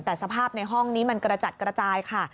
แต่สภาพในห้องนี้มันกระจัดกระจายค่ะ